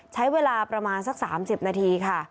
ใช้เวลาประมาณสัก๓๐นาทีค่ะ